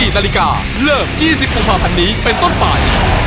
๑๔นาฬิกาเริ่ม๒๐ภาพันธ์นี้เป็นต้นไป